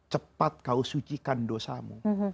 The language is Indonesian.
cepat kau sucikan dosamu